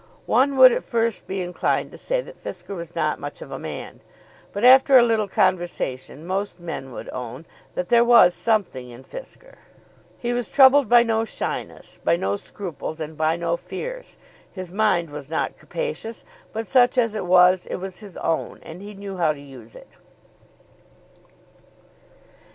One would at first be inclined to say that Fisker was not much of a man; but after a little conversation most men would own that there was something in Fisker. He was troubled by no shyness, by no scruples, and by no fears. His mind was not capacious, but such as it was it was his own, and he knew how to use it.